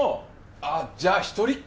ああじゃあ一人っ子。